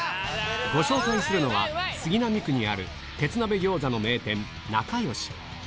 ご紹介するのは、杉並区にある鉄鍋餃子の名店、なかよし。